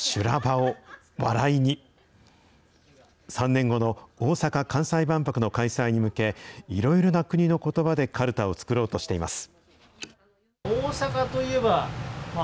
３年後の大阪・関西万博の開催に向け、いろいろな国のことばでかるたを作ろうとしています。